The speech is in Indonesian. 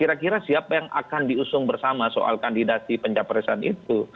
kira kira siapa yang akan diusung bersama soal kandidasi pencapresan itu